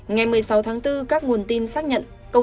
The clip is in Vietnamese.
ngày một mươi sáu tháng bốn các nguồn tin xác nhận